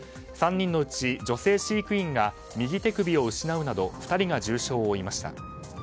３人のうち、女性飼育員が右手首を失うなど２人が重傷を負いました。